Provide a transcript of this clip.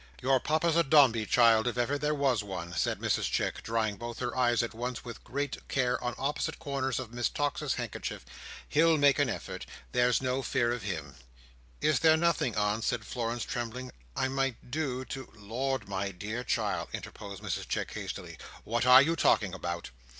Your Papa's a Dombey, child, if ever there was one," said Mrs Chick, drying both her eyes at once with great care on opposite corners of Miss Tox's handkerchief "He'll make an effort. There's no fear of him." "Is there nothing, aunt," said Florence, trembling, "I might do to—" "Lord, my dear child," interposed Mrs Chick, hastily, "what are you talking about?